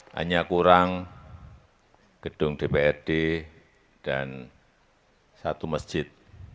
hanya kurang gedung dprd dan satu masjid